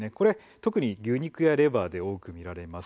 特に牛肉やレバーで多く見られます。